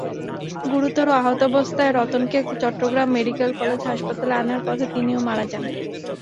গুরুতর আহতাবস্থায় রতনকে চট্টগ্রাম মেডিকেল কলেজ হাসপাতালে আনার পথে তিনিও মারা যান।